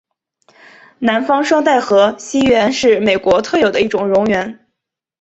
南方双带河溪螈是美国特有的一种蝾螈。